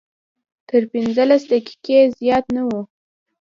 تر پنځلس دقیقې زیات نه وي.